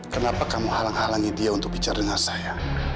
kenapa kamu halang halangi dia untuk bicara dengan saya